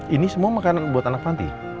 ini semua makanan buat anak panti